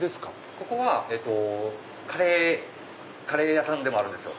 ここはカレー屋さんでもあるんですよ。